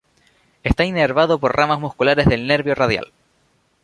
Está inervado por ramas musculares del nervio radial.